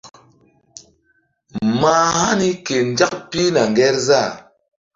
Mah hani ke nzak pihna ŋgerzah.